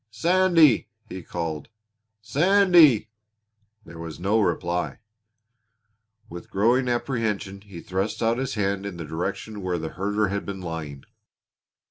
"Sandy!" he called. "Sandy!" There was no reply. With growing apprehension he thrust out his hand in the direction where the herder had been lying.